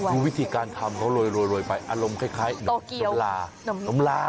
ดูวิธีการทำเขาโรยไปอารมณ์คล้ายหนมรา